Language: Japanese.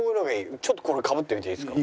ちょっとこれかぶってみていいですか？